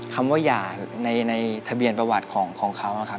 คำว่าหย่าในทะเบียนประวัติของเขานะครับ